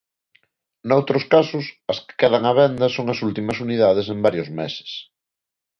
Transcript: Noutros casos, as que quedan á venda son as últimas unidades en varios meses.